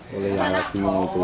boleh yang lagi itu